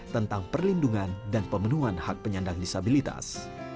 tentang perlindungan dan pemenuhan hak penyandang disabilitas